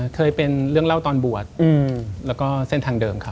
เคยเป็นเรื่องเล่าตอนบวชแล้วก็เส้นทางเดิมครับ